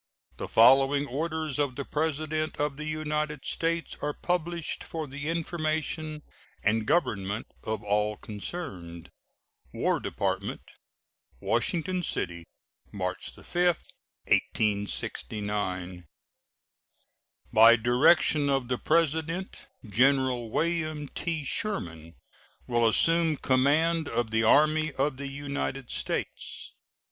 The following orders of the President of the United States are published for the information and government of all concerned: WAR DEPARTMENT, Washington City, March 5, 1869. By direction of the President, General William T. Sherman will assume command of the Army of the United States.